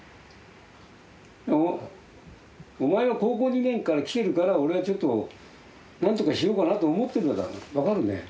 お前が高校２年からきてるから俺はちょっと何とかしようかなと思って分かる？